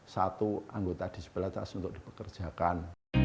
satu anggota disabilitas untuk dipekerjakan